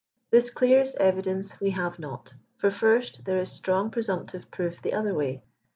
This clearest evidence we have not. For first, there is strong presumptive proof the other way.